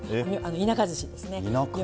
田舎ずしですね。